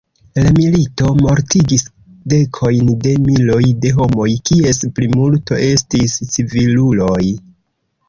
La milito mortigis dekojn de miloj de homoj, kies plimulto estis civiluloj.